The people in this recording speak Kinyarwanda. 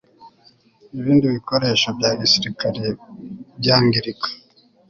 ibindi bikoresho bya gisirikare byangirika